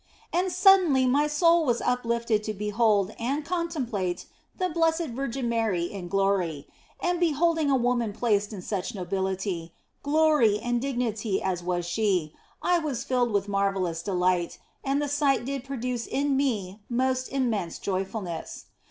And suddenly my soul was uplifted to behold and contemplate the Blessed Virgin Mary in glory ; and beholding a woman placed in such nobility, glory and dignity as was she, I was filled with marvellous delight, and the sight did produce in me most immense joyfulness.